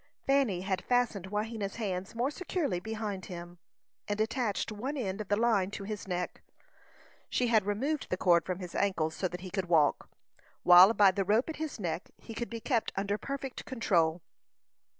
Fanny had fastened Wahena's hands more securely behind him, and attached one end of the line to his neck. She had removed the cord from his ankles, so that he could walk, while by the rope at his neck he could be kept under perfect control.